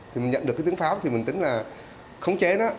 thì mình nhận được cái tiếng pháo thì mình tính là khống chế đó